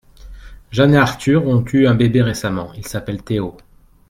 Jeanne et Arthur ont eu un bébé récemment, il s’appelle Théo.